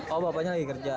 oh bapaknya lagi kerja